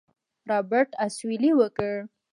رابرټ اسويلى وکړ.